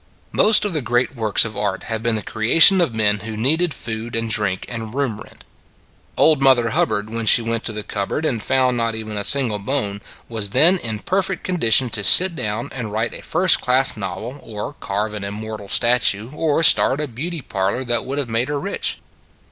Most of the great works of art have been the creation of men who needed food and drink and room rent. Old Mother Hubbard when she went to the cupboard and found not even a single bone, was then in perfect condition to sit down and write a first class novel, or carve an im mortal statue or start a beauty parlor that would have made her rich.